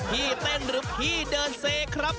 พี่เต้นหรือพี่เดินเซครับ